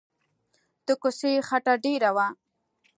د کوڅې خټه ډېره وه.